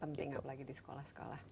penting apalagi di sekolah sekolah